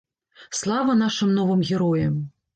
Слава нашым новым героям!